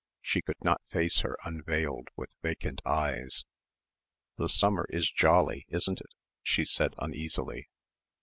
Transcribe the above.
She could not face her unveiled with vacant eyes. "The summer is jolly, isn't it?" she said uneasily.